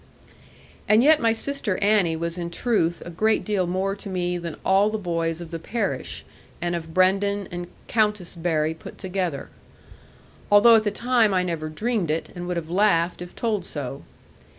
And yet my sister Annie was in truth a great deal more to me than all the boys of the parish, and of Brendon, and Countisbury, put together; although at the time I never dreamed it, and would have laughed if told so.